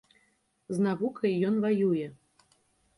З навукай ён ваюе!